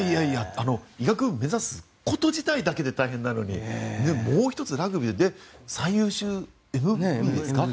医学部を目指すこと自体で大変なのにもう１つ、ラグビーで最優秀ＭＶＰですか。